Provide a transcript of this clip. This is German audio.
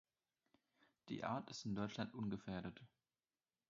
Die Art ist in Deutschland ungefährdet.